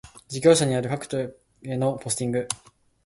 事業者による各戸へのポスティング